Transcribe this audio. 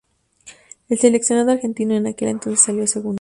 El seleccionado argentino en aquel entonces salió segundo.